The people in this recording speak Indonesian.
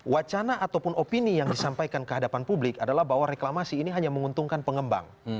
wacana ataupun opini yang disampaikan ke hadapan publik adalah bahwa reklamasi ini hanya menguntungkan pengembang